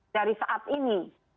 dari saat ini